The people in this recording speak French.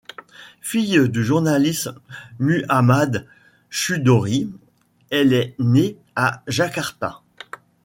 Fille du journaliste Muhammad Chudori, elle est née à Jakarta.